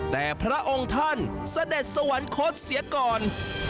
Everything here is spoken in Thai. แต่พระองค์ท่านเสด็จสวรรคตเสียก่อน